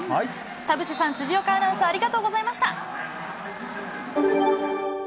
田臥さん、辻岡アナウンサー、ありがとうございました。